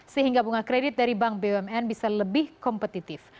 sehingga bunga kredit dari bank bumn bisa lebih kompetitif